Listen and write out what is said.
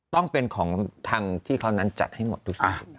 ต้องเป็นของทางที่เขานั้นจัดให้หมดทุกอย่าง